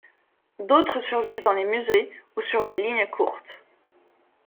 D'autres survivent dans les musées ou sur des lignes courtes.